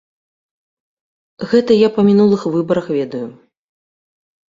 Гэта я па мінулых выбарах ведаю.